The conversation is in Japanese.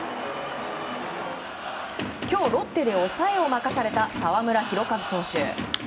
今日、ロッテで抑えを任された澤村拓一投手。